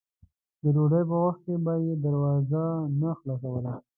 د ډوډۍ په وخت کې به یې دروازه نه خلاصوله.